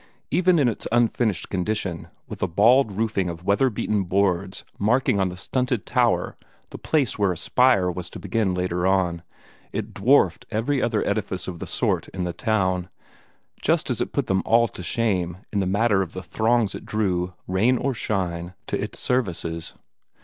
Even in its unfinished condition, with a bald roofing of weather beaten boards marking on the stunted tower the place where a spire was to begin later on, it dwarfed every other edifice of the sort in the town, just as it put them all to shame in the matter of the throngs it drew, rain or shine, to its services.